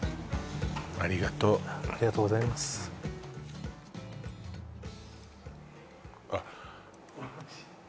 ありがとうありがとうございますあっ・